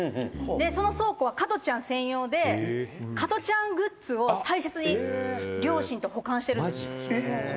「その倉庫は、加トちゃん専用で加トちゃんグッズを大切に両親と保管してるんです」